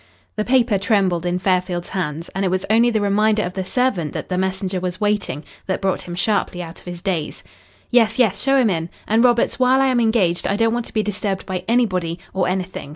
The paper trembled in Fairfield's hands, and it was only the reminder of the servant that the messenger was waiting that brought him sharply out of his daze. "Yes, yes. Show him in. And, Roberts, while I am engaged I don't want to be disturbed by anybody or anything.